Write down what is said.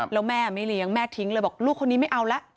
แล้วแม่ไม่เลี้ยงแม่ทิ้งเลยบอกลูกคนนี้ไม่เอาละ